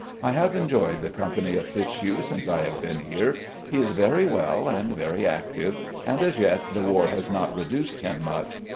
I have enjoyed the company of Fitzhugh since I have been here. He is very well and very active, and as yet the war has not reduced him much.